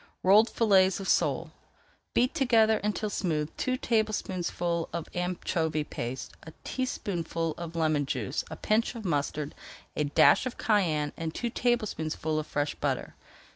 ROLLED FILLETS OF SOLE Beat together until smooth two tablespoonfuls of anchovy paste, a teaspoonful of lemon juice, a pinch of mustard, a dash of cayenne, and two tablespoonfuls of fresh butter.